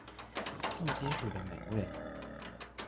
重金屬的美味